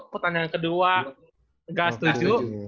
pertanyaan kedua gak setuju